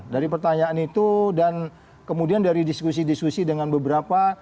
dari pertanyaan itu dan kemudian dari diskusi diskusi dengan beberapa